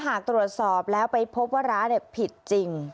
หากตรวจสอบแล้วไปพบว่าร้านผิดจริง